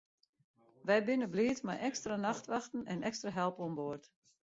Wy binne bliid mei ekstra nachtwachten en ekstra help oan board.